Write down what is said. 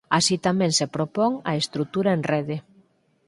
Así tamén se propón a estrutura en rede.